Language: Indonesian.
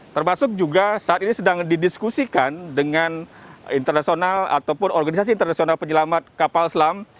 termasuk juga saat ini sedang didiskusikan dengan internasional ataupun organisasi internasional penyelamat kapal selam